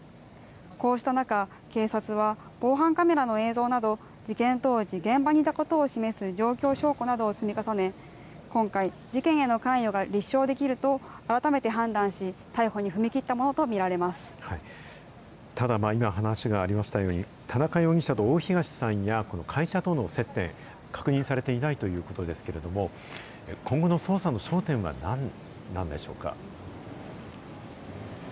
こうした中、警察は防犯カメラの映像など、事件当時、現場にいたことを示す状況証拠などを積み重ね、今回、事件への関与が立証できると改めて判断し、逮捕に踏み切ったものただ、今、話がありましたように、田中容疑者と大東さんや、会社との接点、確認されていないということですけれども、今後の捜査の焦点は何なんでしょうか。